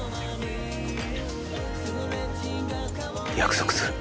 約束する。